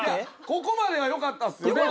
ここまではよかったですよね。